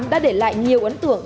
đã để lại nhiều ấn tượng